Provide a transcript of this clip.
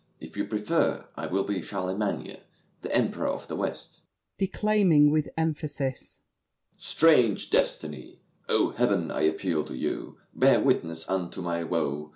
If you prefer, I will be Charlemagne, The Emperor of the West. [Declaiming with emphasis. "Strange destiny! O Heaven, I appeal to you! Bear witness Unto my woe.